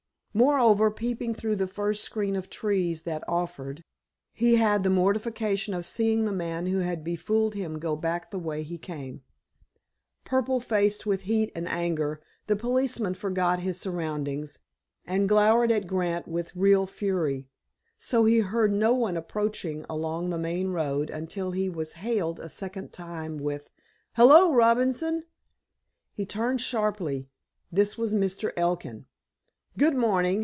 Moreover, peeping through the first screen of trees that offered, he had the mortification of seeing the man who had befooled him go back the way he came. Purple faced with heat and anger, the policeman forgot his surroundings, and glowered at Grant with real fury. So he heard no one approaching along the main road until he was hailed a second time with, "Hello, Robinson!" He turned sharply. This was Mr. Elkin. "Good morning!"